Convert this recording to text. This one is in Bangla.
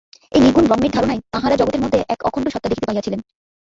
এই নির্গুণ ব্রহ্মের ধারণায় তাঁহারা জগতের মধ্যে এক অখণ্ড সত্তা দেখিতে পাইয়াছিলেন।